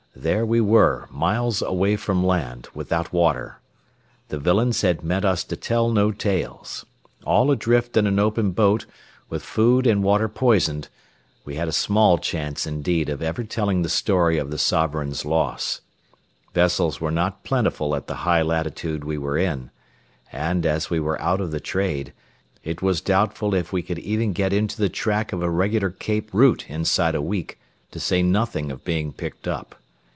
There we were, miles away from land, without water. The villains had meant us to tell no tales. All adrift in an open boat, with food and water poisoned, we had a small chance indeed of ever telling the story of the Sovereign's loss. Vessels were not plentiful at the high latitude we were in; and, as we were out of the trade, it was doubtful if we could even get into the track of the regular Cape route inside a week, to say nothing of being picked up.